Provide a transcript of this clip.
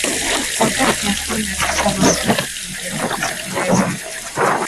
wa karne ya kumi na tisa Masultani walijaribu kutekeleza